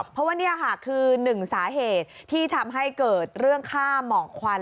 เพราะว่านี่ค่ะคือหนึ่งสาเหตุที่ทำให้เกิดเรื่องฆ่าหมอกควัน